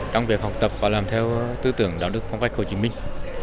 trong việc học tập và làm theo tư tưởng đạo đức phong cách hồ chí minh